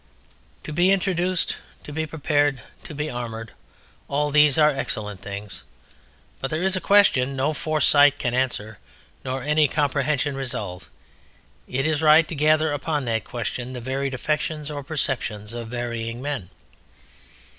To be introduced, to be prepared, to be armoured, all these are excellent things, but there is a question no foresight can answer nor any comprehension resolve. It is right to gather upon that question the varied affections or perceptions of varying men.